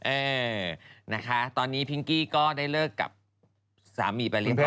เออนะคะตอนนี้พิงกี้ก็ได้เลิกกับสามีไปเรียบร้อ